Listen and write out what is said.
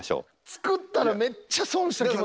作ったらめっちゃ損した気持ち。